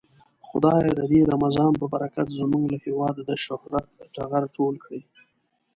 خدايه د دې رمضان په برکت زمونږ له هيواده د شهرت ټغر ټول کړې.